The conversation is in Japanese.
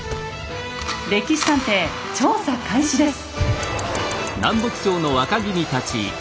「歴史探偵」調査開始です。